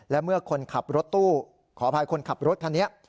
และเมื่อคนขับรถตู้ขออภัยคนขับรถคันนี้